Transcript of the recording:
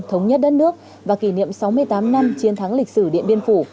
thống nhất đất nước và kỷ niệm sáu mươi tám năm chiến thắng lịch sử điện biên phủ